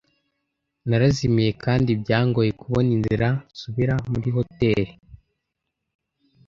Narazimiye kandi byangoye kubona inzira nsubira muri hoteri.